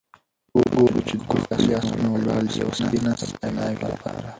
ګورو چې دوه ښکلي آسونه ولاړ دي ، یو سپین آس د ناوې لپاره